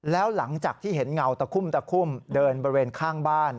แล้วหลังจากที่เห็นเงาตะคุ่มตะคุ่มเดินบริเวณข้างบ้าน